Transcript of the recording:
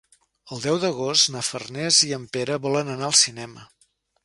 El deu d'agost na Farners i en Pere volen anar al cinema.